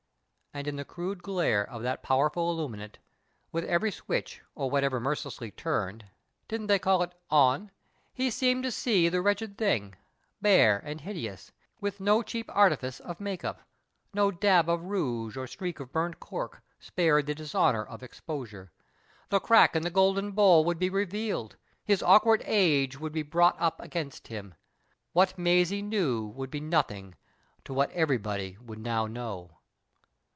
And in the crude glare of that powerful illuminant, with every switch or whatever mercilessly turned — didn't they call it ?—" on," he seemed to see the ^^Tetchcd thing, bare and hideous, with no cheap artifice of " make up," no dab of rouge or streak of burnt cork, spared the dishonour of exposure. The crack in the golden bowl would be revealed, his awkward age would be brought up against him, what Maisie knew would be nothing to what every 60 "THE REPROBATE" body would now know.